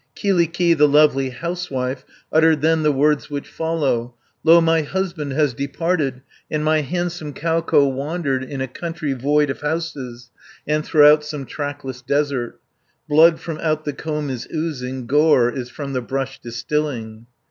Kyllikki, the lovely housewife, Uttered then the words which follow: 30 "Lo, my husband has departed, And my handsome Kauko wandered In a country void of houses, And throughout some trackless desert. Blood from out the comb is oozing, Gore is from the brush distilling."